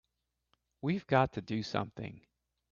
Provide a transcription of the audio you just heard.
We've got to do something!